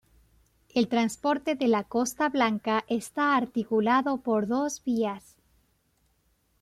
El transporte de la Costa Blanca está articulado por dos vías.